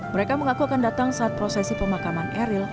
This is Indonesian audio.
mereka mengaku akan datang saat prosesi pemakaman eril